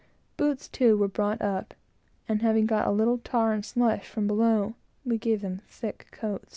Boots, too, were brought up; and having got a little tar and slush from below, we gave them a thick coat.